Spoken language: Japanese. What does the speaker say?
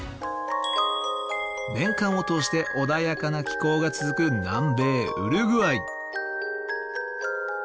年間を通して穏やかな気候が続く南米・ウルグアイ。